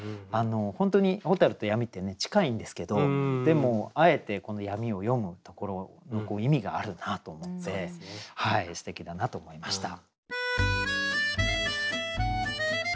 本当に蛍と闇って近いんですけどでもあえてこの闇を詠むところの意味があるなと思ってすてきだなと思いました。